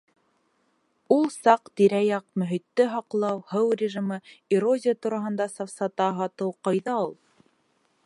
Ул саҡ тирә-яҡ мөхитте һаҡлау, һыу режимы, эрозия тураһында сафсата һатыу ҡайҙа ул!..